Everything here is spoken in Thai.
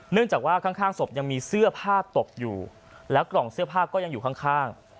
จากว่าข้างศพยังมีเสื้อผ้าตกอยู่แล้วกล่องเสื้อผ้าก็ยังอยู่ข้าง